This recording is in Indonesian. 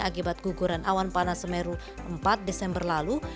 akibat guguran awan panas semeru empat desember lalu